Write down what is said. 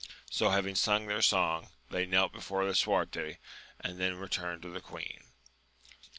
So having sung their song, they knelt before lisuarte, and then returned to the queen.